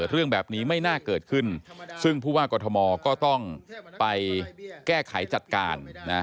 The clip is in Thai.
เรื่องแบบนี้ไม่น่าเกิดขึ้นซึ่งผู้ว่ากรทมก็ต้องไปแก้ไขจัดการ